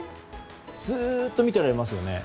ずっと見ていられますよね。